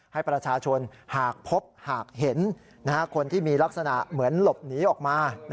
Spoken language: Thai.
ให้ประชาชนหากพบหากเห็นคนที่มีลักษณะเหมือนหลบหนีออกมา